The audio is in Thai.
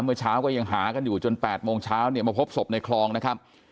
เมื่อเช้าก็ยังหากันอยู่จน๘โมงเช้าเนี่ยมาพบศพในคลองนะครับ